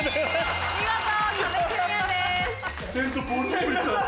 見事壁クリアです。